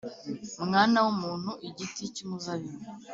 Mwana w’umuntu, igiti cy’umuzabibu